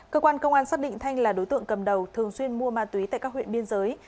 cơ quan công an xác định thanh là đối tượng cầm đầu thường xuyên mua ma túy tại các huyện biên giới